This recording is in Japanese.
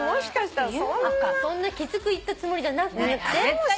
そんなきつく言ったつもりじゃなくって。